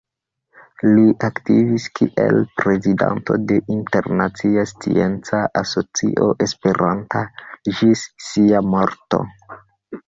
Li aktivis kiel prezidanto de Internacia Scienca Asocio Esperanta ĝis sia morto.